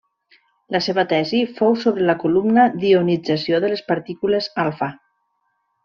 La seva tesi fou sobre la columna d'ionització de les partícules alfa.